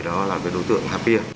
thì đó là đối tượng